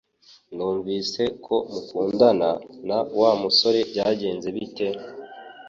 Numvise ko mukundana na Wa musore Byagenze bite?